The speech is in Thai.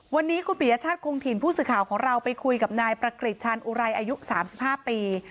วันนี้คุณปียชาติคงถิ่นผู้สื่อข่าวของเราไปคุยกับนายประกฤษชาญอุไรอายุ๓๕ปี